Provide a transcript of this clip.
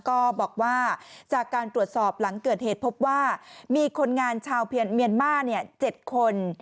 ก็บอกว่าจากการตรวจสอบหลังเกิดเหตุพบว่ามีคนงานชาวเมียนมาร์๗คน